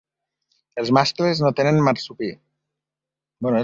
Els mascles no tenen marsupi.